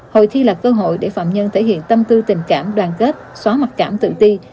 hội thi là cơ hội để phạm nhân thể hiện tâm tư tình cảm đoàn kết xóa mặc cảm tự ti